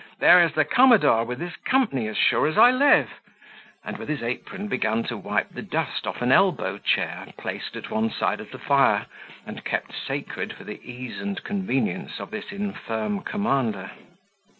there is the commodore with his company, as sure as I live," and with his apron began to wipe the dust off an elbow chair placed at one side of the fire, and kept sacred for the ease and convenience of this infirm commander.